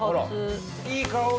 いい香り。